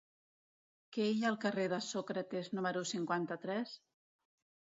Què hi ha al carrer de Sòcrates número cinquanta-tres?